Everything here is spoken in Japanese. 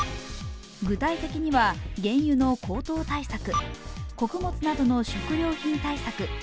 具体的には原油の高騰対策、穀物などの食料品対策